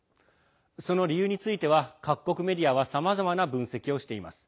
その理由については各国メディアはさまざまな分析をしています。